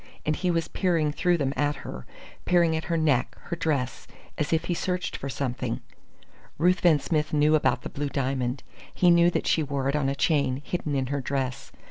And he was peering through them at her peering at her neck, her dress, as if he searched for something. Ruthven Smith knew about the blue diamond. He knew that she wore it on a chain, hidden in her dress.